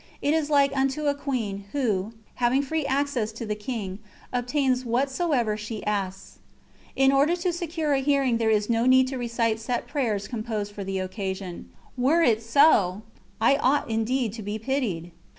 It is like unto a queen, who, having free access to the king, obtains whatsoever she asks. In order to secure a hearing there is no need to recite set prayers composed for the occasion were it so, I ought indeed to be pitied!